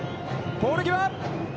ポール際。